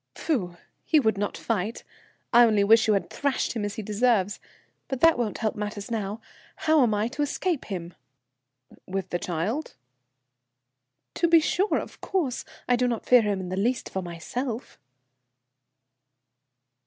"Pfu! He would not fight! I only wish you had thrashed him as he deserves. But that won't help matters now. How am I to escape him?" "With the child?" "To be sure. Of course, I do not fear him in the least for myself."